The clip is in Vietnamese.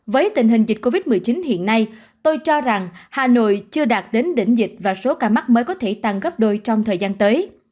với tình hình dịch covid một mươi chín hiện nay tôi cho rằng hà nội chưa đạt đến đỉnh dịch và số ca mắc mới có thể tăng gấp đôi trong thời gian tới